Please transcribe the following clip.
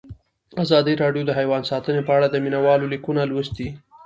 ازادي راډیو د حیوان ساتنه په اړه د مینه والو لیکونه لوستي.